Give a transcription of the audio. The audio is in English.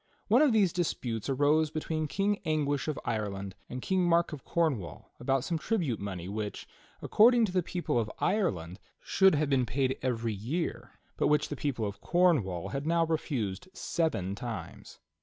One of these disputes arose between King Anguish of Ireland and King Mark of Cornwall about some tribute money which, according to the people of Ireland, should have been paid every year, but which the people of Cornwall had now refused seven times.